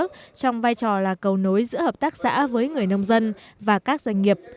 trong vai trò là cầu nối giữa hợp tác xã với người nông dân và các doanh nghiệp